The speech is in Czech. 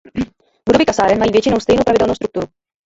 Budovy kasáren mají většinou stejnou pravidelnou strukturu.